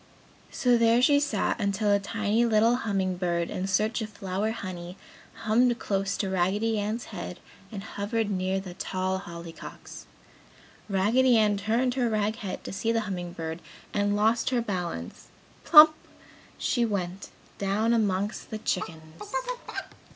So, there she sat until a tiny little humming bird, in search of flower honey hummed close to Raggedy Ann's head and hovered near the tall Hollyhocks. Raggedy Ann turned her rag head to see the humming bird and lost her balance plump! she went, down amongst the chickens.